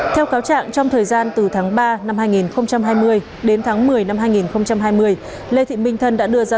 theo cáo trạng trong thời gian từ tháng ba năm hai nghìn hai mươi đến tháng một mươi năm hai nghìn hai mươi lê thị minh thân đã đưa ra